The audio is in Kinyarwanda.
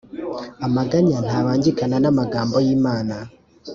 amaganya ntabangikana n’amagambo y’imana!